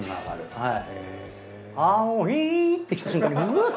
はい。